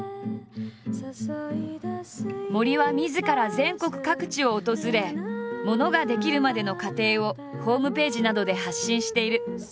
森はみずから全国各地を訪れものが出来るまでの過程をホームページなどで発信している。